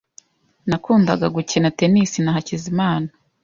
Nakundaga gukina tennis na Hakizimana .